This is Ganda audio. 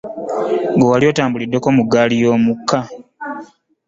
Gwe wali otambuliddeko mu gaali y'omukka?